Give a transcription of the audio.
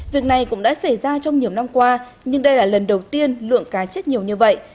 việc này cũng đã xảy ra trong nhiều năm qua nhưng đây là lần đầu tiên lượng cá chết nhiều như vậy